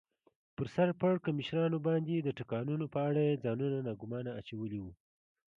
پر سر پړکمشرانو باندې د ټکانونو په اړه یې ځانونه ناګومانه اچولي و.